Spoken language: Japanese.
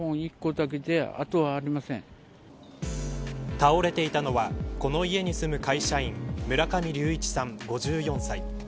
倒れていたのはこの家に住む会社員村上隆一さん５４歳。